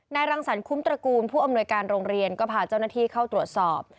รังสรรคุ้มตระกูลผู้อำนวยการโรงเรียนก็พาเจ้าหน้าที่เข้าตรวจสอบ